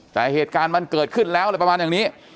แต่เหตุการณ์มันเกิดขึ้นแล้วอะไรประมาณอย่างนี้